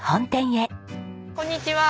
こんにちは。